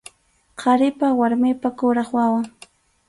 Qharipa warmipa kuraq wawan.